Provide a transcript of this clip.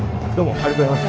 ありがとうございます。